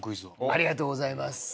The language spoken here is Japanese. ありがとうございます。